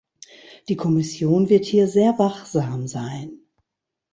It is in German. Die Kommission wird hier sehr wachsam sein.